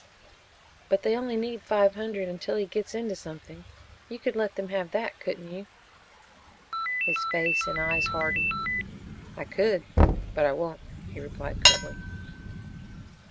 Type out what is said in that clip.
"But they only need five hundred until he gets into something. You could let them have that, couldn't you?" His face and eyes hardened. "I could, but I won't," he replied curtly.